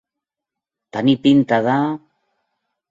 Tenir pinta de.